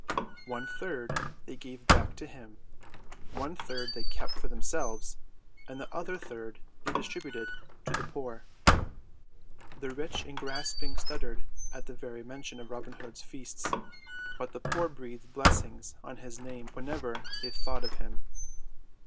One third they gave back to him; one third they kept for themselves; and the other third they distributed to the poor. The rich and grasping shuddered at the very mention of Robin Hood's feasts, but the poor breathed blessings on his name whenever they thought of them.